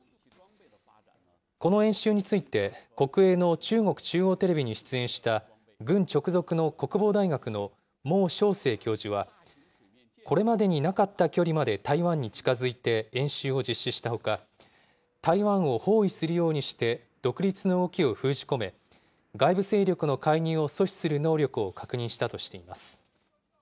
この演習について、国営の中国中央テレビに出演した、軍直属の国防大学の孟祥青教授は、これまでになかった距離まで台湾に近づいて演習を実施したほか、台湾を包囲するようにして独立の動きを封じ込め、外部勢力の介入を阻止する能力を確認したとしています。